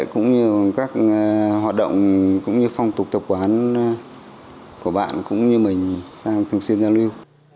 cũng như các hoạt động phong tục tập quán của bạn cũng như mình sang thường xuyên giao lưu